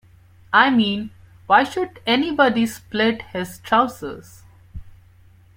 I mean, why should anybody split his trousers?